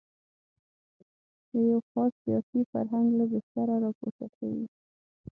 د یوه خاص سیاسي فرهنګ له بستره راپورته شوې.